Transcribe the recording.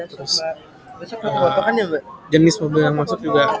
terus jenis mobil yang masuk juga